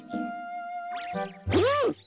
うん！